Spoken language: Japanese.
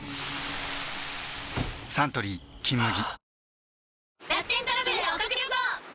サントリー「金麦」